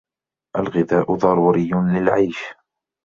الغذاء ضروري للعيش.